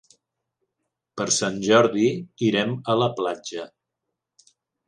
Per Sant Jordi irem a la platja.